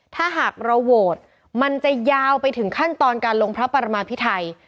ถ้าหากเราโหวตมันจะยาวไปถึงขั้นตอนการลงพระปรมาพิไทย